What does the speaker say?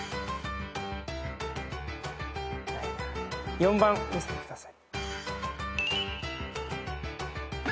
４番見せてください。